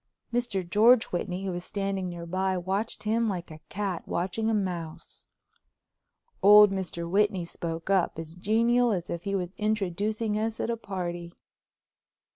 Mr. George Whitney, who was standing near by, watched him like a cat watching a mouse. Old Mr. Whitney spoke up as genial as if he was introducing us at a party.